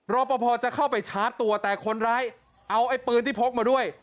รอปภจะเข้าไปชาร์จตัวแต่คนร้ายเอาไอ้ปืนที่พกมาด้วย